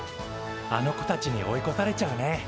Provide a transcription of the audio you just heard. あの子たちに追いこされちゃうね。